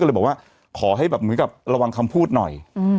ก็เลยบอกว่าขอให้แบบเหมือนกับระวังคำพูดหน่อย